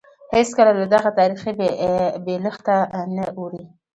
هېڅکله له دغه تاریخي بېلښته نه اوړي.